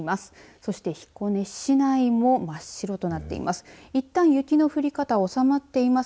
そして彦根市内も真っ白となっています。